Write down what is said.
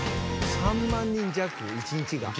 ３万人弱１日が。